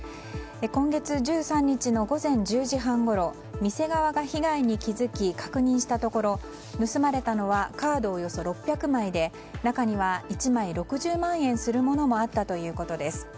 今月１３日の午前１０時半ごろ店側が被害に気づき確認したところ盗まれたのはカードおよそ６００枚で中には１枚６０万円するものもあったということです。